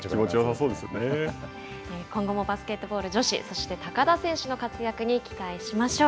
今後もバスケットボール女子そして高田選手の活躍に期待しましょう。